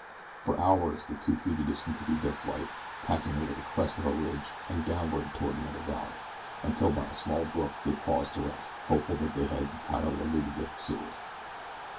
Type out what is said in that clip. For hours the two fugitives continued their flight, passing over the crest of a ridge and downward toward another valley, until by a small brook they paused to rest, hopeful that they had entirely eluded their pursuers.